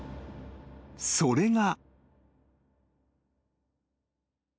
［それが］